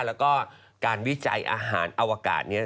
แล้วก็การวิจัยอาหารอวกาศนี้